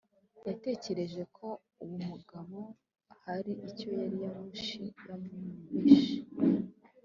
Yatekereje ko uwo mugabo hari icyo yari amuhishe